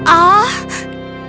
oh itu mengarut